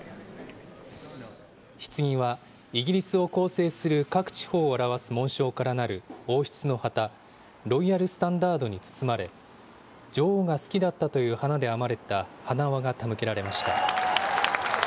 ひつぎは、イギリスを構成する各地方を表す紋章からなる王室の旗、ロイヤル・スタンダードに包まれ、女王が好きだったという花で編まれた花輪が手向けられました。